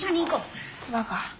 バカ。